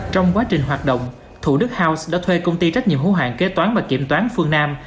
trong quá trình hoạt động thủ đức house đã thuê công ty trách nhiệm hữu hạng kế toán và kiểm toán phương nam